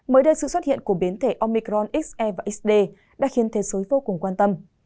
mới đây sự xuất hiện của biến thể omicron se và xd đã khiến thế giới vô cùng quan tâm